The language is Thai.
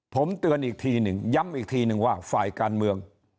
ผมเตือนอีกทีหนึ่งย้ำอีกทีนึงว่าฝ่ายการเมือง